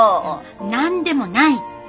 何でもないって。